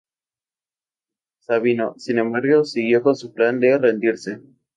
Sabino, sin embargo, siguió con su plan de rendirse.